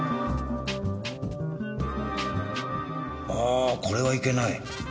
ああこれはいけない。